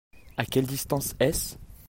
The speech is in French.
À quelle distance est-ce ?